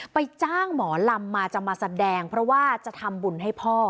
จ้างหมอลำมาจะมาแสดงเพราะว่าจะทำบุญให้พ่อ